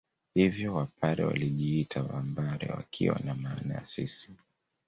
Hivyo Wapare walijiita Vambare wakiwa na maana ya sisi